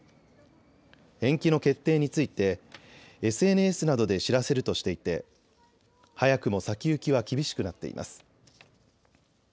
延期の決定についてＳＮＳなどで知らせるとしていて早くも先行きは厳しくなっています。